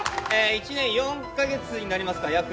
１年４か月になりますか約。